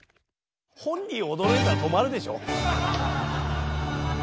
本人驚いたら止まるでしょ。